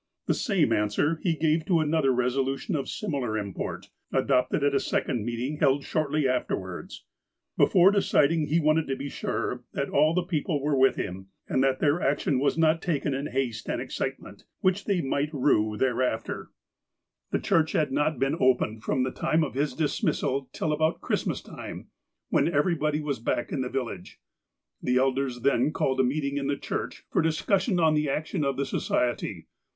The same answer he gave to another resolution of sim ilar import, adopted at a second meeting held shortly af terwards. Before deciding, he wanted to be sure that all the people were with him, and that their action was not taken in haste and excitement, which they might rue thereafter. THE RUPTURE 265 The church had not been opened from the time of his dismissal till about Christmas time, when everybody was back in the village. The elders then called a meeting in the church for discussion on the action of the Society.